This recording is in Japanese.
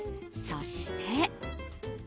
そして。